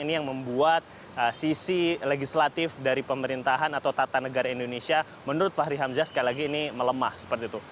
ini yang membuat sisi legislatif dari pemerintahan atau tata negara indonesia menurut fahri hamzah sekali lagi ini melemah seperti itu